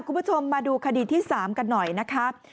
คุณผู้ชมมาดูคดีที่๓กันหน่อยนะครับ